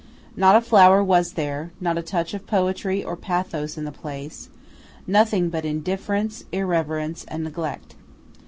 Not a flower was there, not a touch of poetry or pathos in the place; nothing but indifference, irreverence, and neglect.